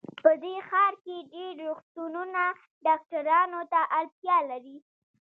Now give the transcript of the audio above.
په دې ښار کې ډېر روغتونونه ډاکټرانو ته اړتیا لري